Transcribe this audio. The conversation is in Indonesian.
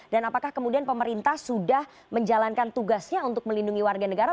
dan apakah kemudian pemerintah sudah menjalankan tugasnya untuk menelitikan itu